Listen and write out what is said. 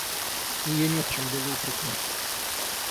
Ее не в чем было упрекнуть.